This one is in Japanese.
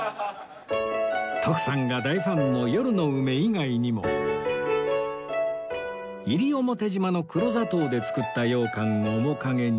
徳さんが大ファンの夜の梅以外にも西表島の黒砂糖で作った羊羹おもかげに